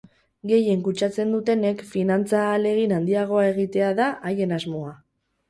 Gehien kutsatzen dutenek finantza ahalegin handiagoa egitea da haien asmoa.